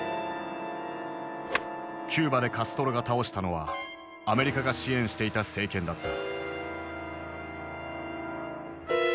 キューバでカストロが倒したのはアメリカが支援していた政権だった。